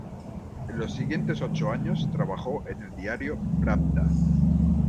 En los siguientes ocho años, trabajó en el diario "Pravda".